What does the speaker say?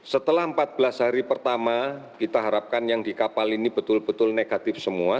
setelah empat belas hari pertama kita harapkan yang di kapal ini betul betul negatif semua